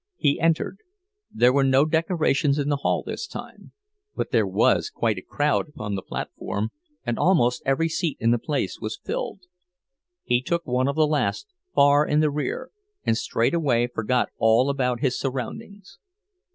He entered. There were no decorations in the hall this time; but there was quite a crowd upon the platform, and almost every seat in the place was filled. He took one of the last, far in the rear, and straightway forgot all about his surroundings.